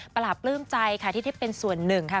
ปราบปลื้มใจค่ะที่ได้เป็นส่วนหนึ่งค่ะ